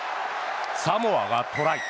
サモアがトライ。